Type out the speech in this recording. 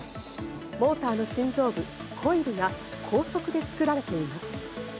モーターの心臓部、コイルが高速で作られています。